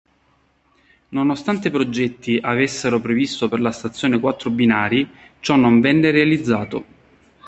Nonostante i progetti avessero previsto per la stazione quattro binari, ciò non venne realizzato.